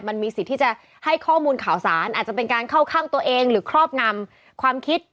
มันมีสิทธิ์ที่จะให้ข้อมูลข่าวสารอาจจะเป็นการเข้าข้างตัวเองหรือครอบงำความคิด